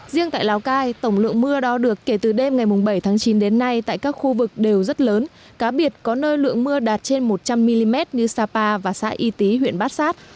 riêng tại lào cai tổng lượng mưa đo được kể từ đêm ngày bảy tháng chín đến nay tại các khu vực đều rất lớn cá biệt có nơi lượng mưa đạt trên một trăm linh mm như sapa và xã y tý huyện bát sát